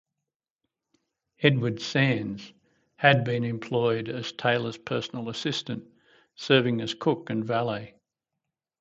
Edward Sands had been employed as Taylor's personal assistant, serving as cook and valet.